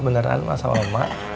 beneran mak sama mak